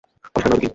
আবিষ্কার নয় তো কী।